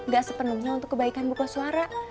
gak sepenuhnya untuk kebaikan bu koswara